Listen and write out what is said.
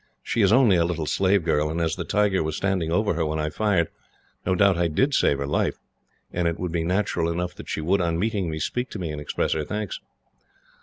"She is only a little slave girl, and as the tiger was standing over her when I fired, no doubt I did save her life, and it would be natural enough that she would, on meeting me, speak to me and express her thanks."